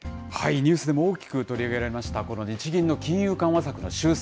ニュースでも大きく取り上げられました、この日銀の金融緩和策の修正。